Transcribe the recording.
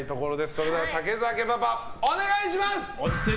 それでは武澤家パパお願いします。